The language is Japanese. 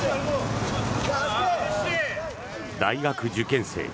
大学受験生。